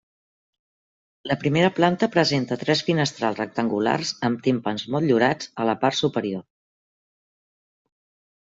La primera planta presenta tres finestrals rectangulars amb timpans motllurats a la part superior.